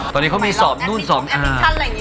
ตอนนี้เขามีสอบนู่นสอบอ่า